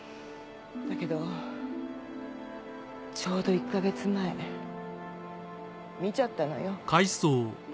だけどちょうど１か月前見ちゃったのよ。